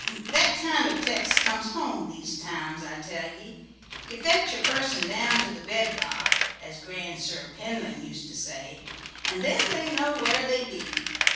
That kind o' text comes home these times, I tell ye. You fetch a person down to the bedrock, as Grandsir Penlyn used to say, and then they know where they be.